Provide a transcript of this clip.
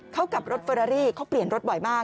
เขากับรถเฟอรารี่เขาเปลี่ยนรถบ่อยมาก